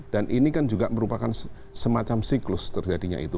dan ini kan juga merupakan semacam siklus terjadinya itu